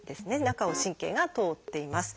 中を神経が通っています。